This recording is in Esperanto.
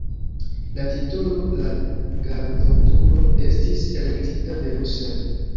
La titolo "La Gardoturo" estis elektita de Russell.